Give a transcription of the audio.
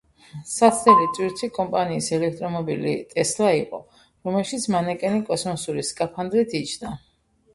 საცდელი ტვირთი კომპანიის ელექტრომობილი „ტესლა“ იყო, რომელშიც მანეკენი კოსმოსური სკაფანდრით იჯდა.